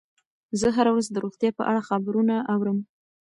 زه هره ورځ د روغتیا په اړه خبرونه اورم.